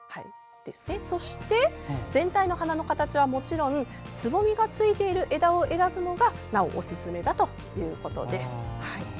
そして、全体の花の形はもちろんつぼみがついている枝を選ぶのがなお、おすすめだということです。